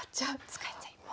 使っちゃいます。